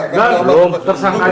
nggak belum tersangkai